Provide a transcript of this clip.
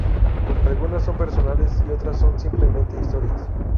Algunas son personales y otras son simplemente historias.